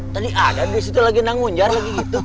tadi ada disitu lagi nangunjar lagi gitu